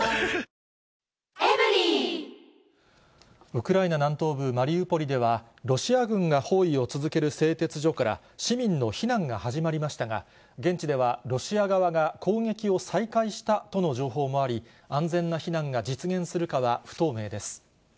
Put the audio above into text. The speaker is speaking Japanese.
ウクライナ南東部マリウポリでは、ロシア軍が包囲を続ける製鉄所から、市民の避難が始まりましたが、現地ではロシア側が攻撃を再開したとの情報もあり、安全な避難が実現するかは不透明です。